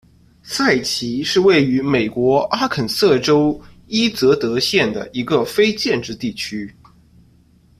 塞奇是位于美国阿肯色州伊泽德县的一个非建制地区。